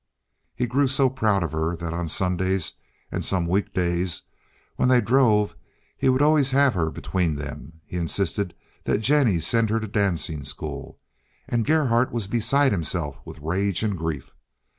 He grew so proud of her that on Sundays and some week days when they drove he would always have her in between them. He insisted that Jennie send her to dancing school, and Gerhardt was beside himself with rage and grief.